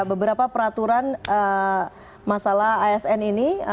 beberapa peraturan masalah asn ini